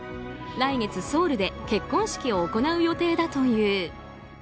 来月ソウルで結婚式を行う予定だという。